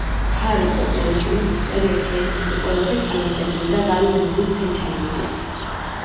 „ჰარი პოტერი“ კინოს ისტორიაში ერთ-ერთი ყველაზე წარმატებული და გავლენიანი ფრენჩაიზია.